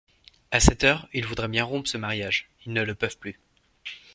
A cette heure, ils voudraient bien rompre ce mariage, ils ne le peuvent plus.